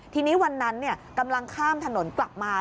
ทีนี้วันนั้นกำลังข้ามถนนกลับมา